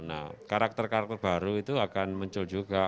nah karakter karakter baru itu akan muncul juga